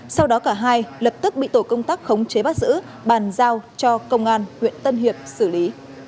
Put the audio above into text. sau đó cả hai lập tức bị tổ công tác khống chế bắt giữ bàn giao cho công an huyện tân hiệp xử lý